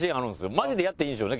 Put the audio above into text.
マジでやっていいんですよね？